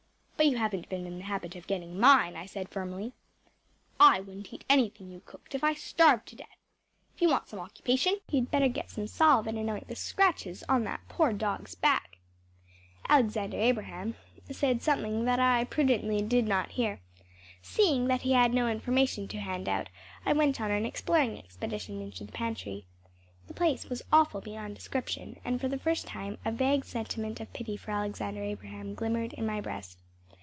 But you haven’t been in the habit of getting mine,‚ÄĚ I said firmly. “I wouldn’t eat anything you cooked if I starved to death. If you want some occupation, you’d better get some salve and anoint the scratches on that poor dog’s back.‚ÄĚ Alexander Abraham said something that I prudently did not hear. Seeing that he had no information to hand out I went on an exploring expedition into the pantry. The place was awful beyond description, and for the first time a vague sentiment of pity for Alexander Abraham glimmered in my breast.